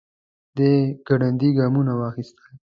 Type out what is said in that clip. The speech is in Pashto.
دی ګړندي ګامونه واخيستل.